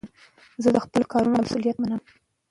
زه د خپلو کارونو مسئولیت منم.